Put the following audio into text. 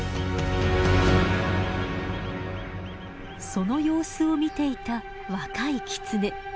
その様子を見ていた若いキツネ。